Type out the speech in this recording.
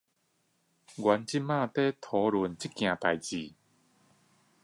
我們正在討論這件事